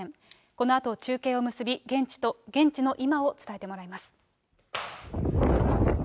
このあと中継を結び、現地の今を伝えてもらいます。